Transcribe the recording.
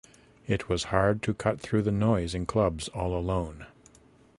It was hard to cut through the noise in clubs all alone.